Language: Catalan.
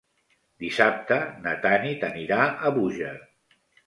Dissabte na Tanit anirà a Búger.